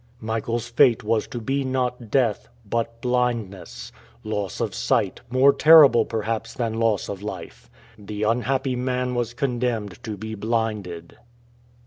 Michael's fate was to be not death, but blindness; loss of sight, more terrible perhaps than loss of life. The unhappy man was condemned to be blinded.